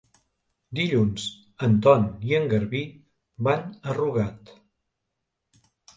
Dilluns en Ton i en Garbí van a Rugat.